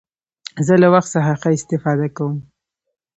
زه له وخت څخه ښه استفاده کوم.